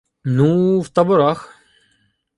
— Ну, в таборах.